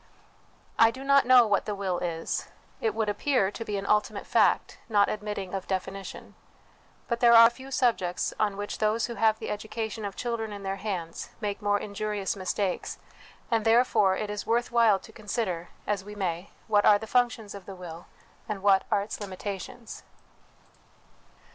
I do not know what the will is ; it would appear to be an ultimate fact, not admitting of definition : but there are few sub jects on which those who have the education of children in their hands make more injurious mistakes ; and therefore it is worth while to consider, as we may, what are the functions of the will, and what are its limitations.